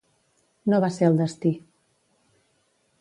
No va ser el destí.